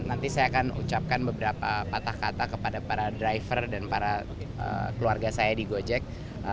nanti saya akan ucapkan beberapa patah kata kepada para driver dan para keluarga saya di gojek